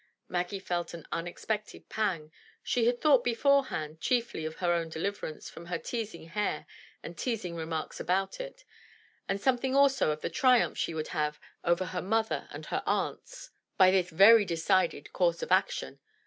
Maggie felt an unexpected pang. She had thought before hand chiefly of her own deliverance from her teasing hair and teasing remarks about it, and something also of the triumph she would have over her mother and her aunts by this very de 223 MY BOOK HOUSE cided course of action.